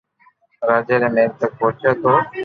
راجا ري مھل تڪ پوچي تو